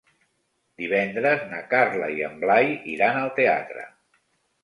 Divendres na Carla i en Blai iran al teatre.